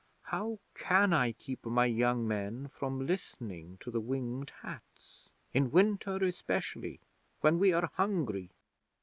How can I keep my young men from listening to the Winged Hats in winter especially, when we are hungry?